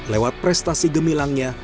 lewat prestasi gemilangnya